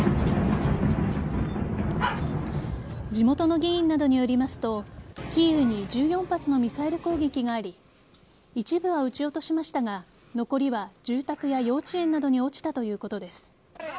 地元の議員などによりますとキーウに１４発のミサイル攻撃があり一部は撃ち落としましたが残りは住宅や幼稚園などに落ちたということです。